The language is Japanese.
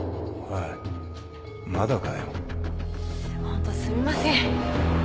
ホントすみません